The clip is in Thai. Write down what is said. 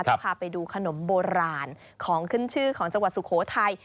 จะพาไปดูขนมโบราณของขึ้นชื่อของจังหวัดสุโขทัย